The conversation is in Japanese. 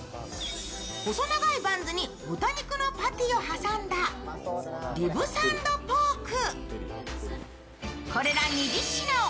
細長いバンズに豚肉のパティを挟んだリブサンドポーク。